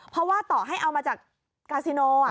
เพราะว่าต่อให้เอามาจากกาซิโน